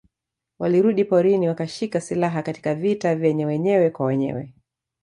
Walirudi porini wakashika silaha Katika vita vya wenyewe kwa wenyewe